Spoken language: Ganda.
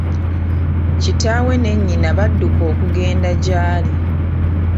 Kitaawe ne nnyina badduka okugenda gy'ali.